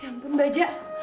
ya ampun bajak